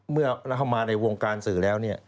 เมื่อเราเข้ามาในวงการสื่อแล้วเนี่ย